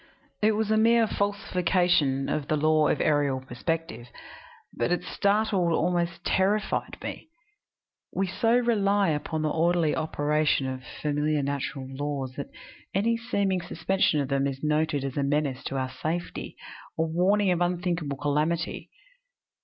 It was a mere falsification of the law of aerial perspective, but it startled, almost terrified me. We so rely upon the orderly operation of familiar natural laws that any seeming suspension of them is noted as a menace to our safety, a warning of unthinkable calamity.